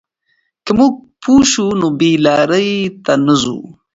که موږ پوه شو، نو بې لارۍ ته نه ځو.